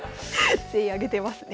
全員あげてますね